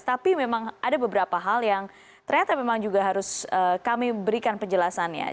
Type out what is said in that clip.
tapi memang ada beberapa hal yang ternyata memang juga harus kami berikan penjelasannya